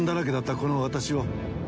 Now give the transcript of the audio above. この私を。